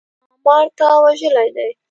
ښامار تا وژلی دی؟